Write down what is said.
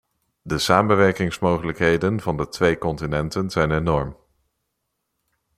De samenwerkingsmogelijkheden van de twee continenten zijn enorm.